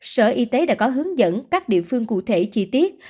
sở y tế đã có hướng dẫn các địa phương cụ thể chi tiết